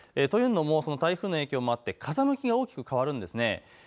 というのも台風の影響もあって風向きが大きく変わるんです。